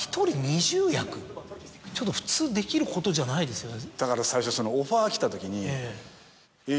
ちょっと普通できることじゃないですよね。